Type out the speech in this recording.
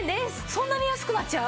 そんなに安くなっちゃう？